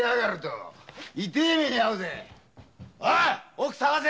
奥捜せ！